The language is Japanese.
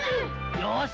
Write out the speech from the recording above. よし！